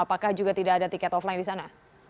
apakah juga tidak ada tiket offline di sana